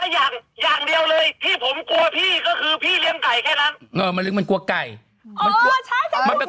อย่างอย่างเดียวเลยที่ผมกลัวพี่ก็คือพี่เลี้ยงไก่แค่นั้น